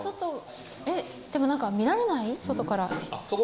えでも何か見られない？外から。